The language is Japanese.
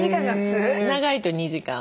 長いと２時間。